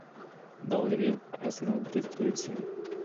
don't leave your personal details in